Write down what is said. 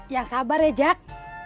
ya sabar ya jack